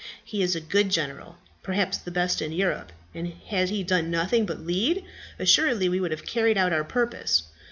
He is a good general, perhaps the best in Europe; and had he done nothing but lead, assuredly we should have carried out our purpose.